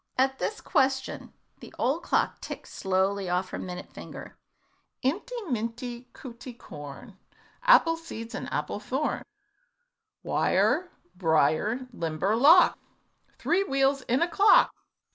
At this question the old clock ticked slowly off on her minute finger, "Inty minty cuty corn, Ap ple seeds and ap ple thorn, Wire bri er, lim ber lock, Three wheels in a clock!"